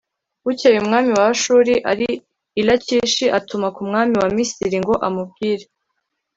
Bukeye umwami wa Ashuri ari i Lakishi atuma ku mwami wa misiri ngo amubwire